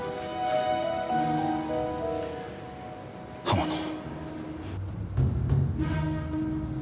浜野。